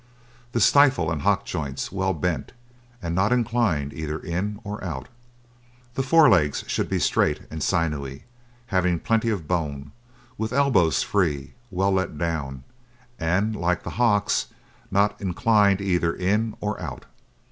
The stifle and hock joints well bent, and not inclined either in or out. The fore legs should be straight and sinewy, having plenty of bone, with elbows free, well let down, and, like the hocks, not inclined either in or out.